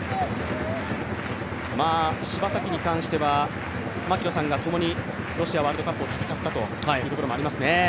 柴崎に関しては槙野さんが共にロシアワールドカップを戦ったということもありますね。